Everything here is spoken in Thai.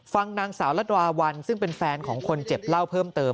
ฟังนางสาวรัฐวาวันซึ่งเป็นแฟนของคนเจ็บเล่าเพิ่มเติม